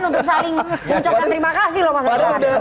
untuk saling mengucapkan terima kasih